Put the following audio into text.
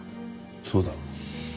そうだ。